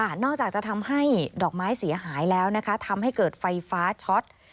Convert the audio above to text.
นอกจากจะทำให้ดอกไม้เสียหายแล้วนะคะทำให้เกิดไฟฟ้าช็อต